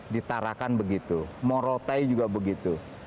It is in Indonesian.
ditarakan begitu morotai juga begitu